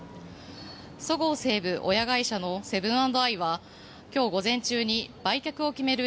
そごう・西武親会社のセブン＆アイは今日午前中に売却を決める